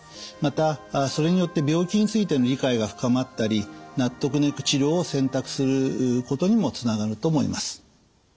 またそれによって病気についての理解が深まったり納得のいく治療を選択することにもつながると思います。